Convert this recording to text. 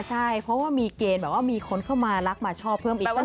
ใช่เพราะว่ามีเกณฑ์แบบว่ามีคนเข้ามารักมาชอบเพิ่มอีก